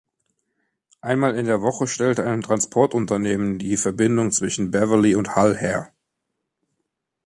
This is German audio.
Einmal in der Woche stellte ein Transportunternehmen die Verbindung zwischen Beverley und Hull her.